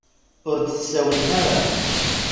Ur d-tsawlem ara.